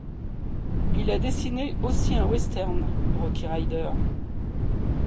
Il a dessiné aussi un western, Rocky Rider.